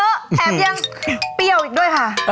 แถมยังเปรี้ยวอีกด้วยค่ะ